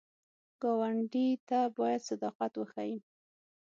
ګاونډي ته باید صداقت وښیو